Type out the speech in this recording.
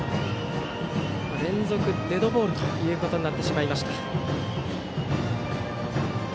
連続デッドボールとなってしまいました。